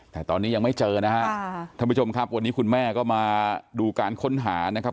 แต่ตอนนี้ยังไม่เจอนะฮะท่านผู้ชมครับวันนี้คุณแม่ก็มาดูการค้นหานะครับ